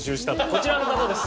こちらの方です。